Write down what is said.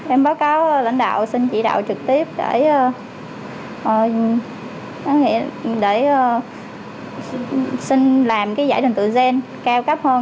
em báo cáo lãnh đạo xin chỉ đạo trực tiếp để xin làm giải định tựa gen cao cấp hơn